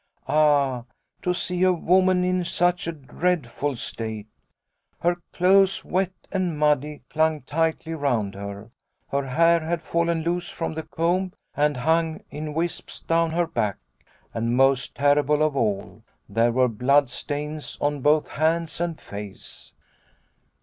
" Ah, to see a woman in such a dreadful state ! Her clothes wet and muddy clung tightly round her. Her hair had fallen loose from the comb and hung in wisps down her back, and, most terrible of all, there were bloodstains on both hands and face.